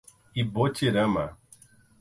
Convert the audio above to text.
Ibotirama